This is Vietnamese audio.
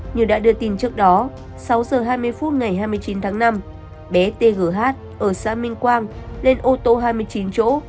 như đã đưa tin trước đó sáu giờ hai mươi phút ngày hai mươi chín tháng năm bé tgh ở xã minh quang lên ô tô hai mươi chín chỗ